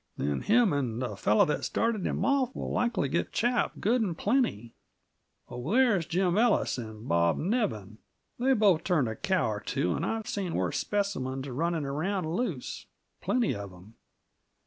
Then him and the fellow that started him off 'll likely get chapped good and plenty. Over there's Jim Ellis and Bob Nevin; they've both turned a cow or two, and I've seen worse specimens running around loose plenty of 'em.